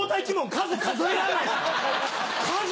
数数えらんない。